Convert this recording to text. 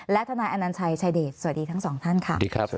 และท่านายอันนันชัยชายเดจสวัสดีทั้งสองท่านค่ะ